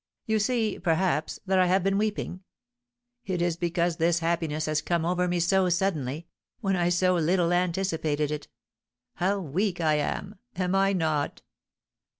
You see, perhaps, that I have been weeping? It is because this happiness has come over me so suddenly, when I so little anticipated it! How weak I am! am I not?"